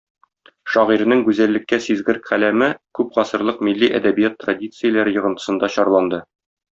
Шагыйрьнең гүзәллеккә сизгер каләме күпгасырлык милли әдәбият традицияләре йогынтысында чарланды.